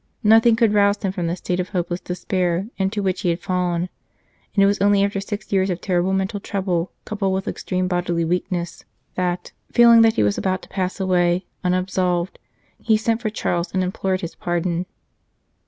Nothing could rouse him from the state of hopeless despair into which he had fallen, and it was only after six years of terrible mental trouble, coupled with extreme bodily weakness, that, feel ing he was about to pass away unabsolved, he sent for Charles and implored his pardon.